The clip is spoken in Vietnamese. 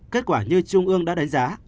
kết quả như trung ương đã đánh giá